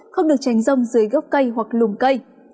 không được tránh rông dưới gốc cây hoặc lùm cây